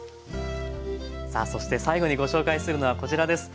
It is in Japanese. さあそして最後にご紹介するのはこちらです。